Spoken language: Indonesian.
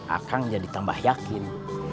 akang jadi tambah yakin